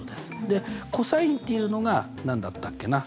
でｃｏｓっていうのが何だったっけな？